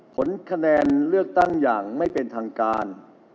ผลคะแนนเลือกตั้งอย่างไม่เป็นทางการ